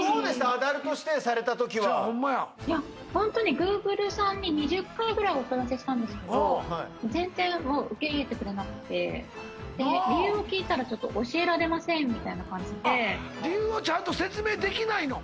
アダルト指定された時はいやホントにＧｏｏｇｌｅさんに２０回ぐらいお問い合わせしたんですけど全然もう受け入れてくれなくてなあ理由を聞いたらちょっと教えられませんみたいな感じで理由をちゃんと説明できないの？